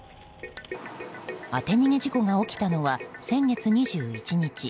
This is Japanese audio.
当て逃げ事故が起きたのは先月２１日。